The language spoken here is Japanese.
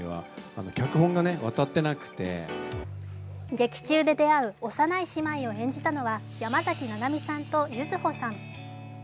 劇中で出会う幼い姉妹を演じたのは山崎七海さんと柚穂さん。